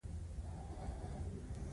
دماغي کار نه شوای کولای.